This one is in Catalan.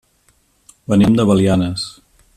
Venim de Belianes.